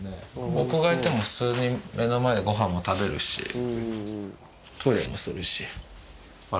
僕がいても普通に目の前でごはんも食べるしトイレもするし。